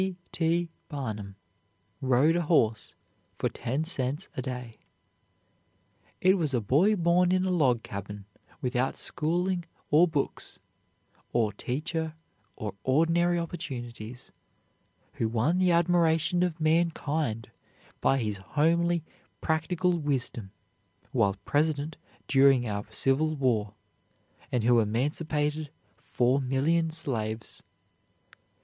P. T. Barnum rode a horse for ten cents a day. It was a boy born in a log cabin, without schooling, or books, or teacher, or ordinary opportunities, who won the admiration of mankind by his homely practical wisdom while President during our Civil War, and who emancipated four million slaves.